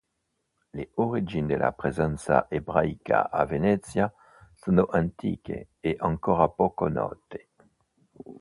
Le origini della presenza ebraica a Venezia sono antiche e ancora poco note.